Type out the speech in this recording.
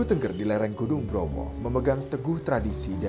tengger dilaring gunung bromo memegang teguh tradisi dan